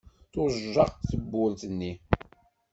Tujjaq tewwurt-nni.